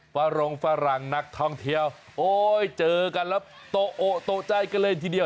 ฝรงฝรั่งนักท่องเที่ยวโอ้ยเจอกันแล้วโตโอโต๊ะใจกันเลยทีเดียว